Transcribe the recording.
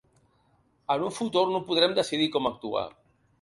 En un futur no podrem decidir com actuar.